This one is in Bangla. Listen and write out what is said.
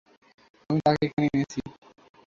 আমি তাকে এখানে এনেছি।